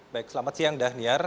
baik selamat siang dhaniar